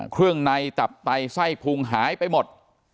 เครื่องในตับไตไส้พุงหายไปหมด